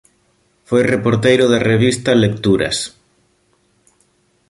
Foi reporteiro da revista "Lecturas".